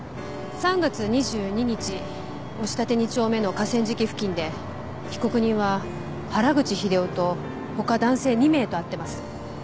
３月２２日押立２丁目の河川敷付近で被告人は原口秀夫と他男性２名と会ってます。